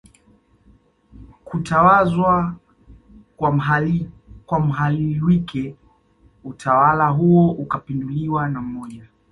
kutawazwa kwa Mhalwike utawala huo ukapinduliwa na mmoja